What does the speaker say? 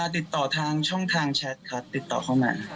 ติดต่อทางช่องทางแชทครับติดต่อเข้ามา